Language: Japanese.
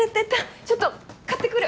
ちょっと買ってくる。